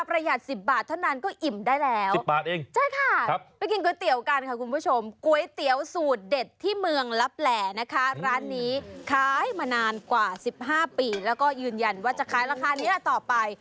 ร้านนี้ค้าให้มานานกว่าสิบห้าปีแล้วก็ยืนยันว่าจะค้าราคานี้แหละต่อไป